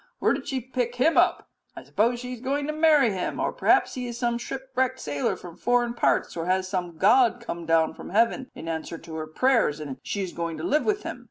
Where did she pick him up? I suppose she is going to marry him, or perhaps he is some shipwrecked sailor from foreign parts; or has some god come down from heaven in answer to her prayers, and she is going to live with him?